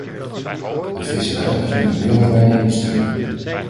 De visserij is nu een wereldwijde industrie.